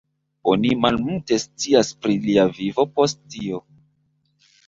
Oni malmulte scias pri lia vivo post tio.